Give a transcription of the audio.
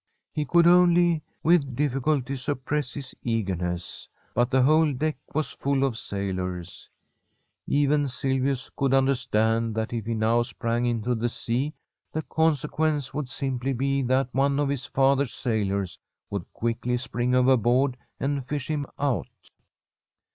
He could only with difficulty sup press his eagerness. But the whole deck was full of sailors. Even Silvius could understand that if he now sprang into the sea the conse quence would simply be that one of his father's from a SWEDISH HOMESTEAD sailors would quickly spring overboard and fish him out.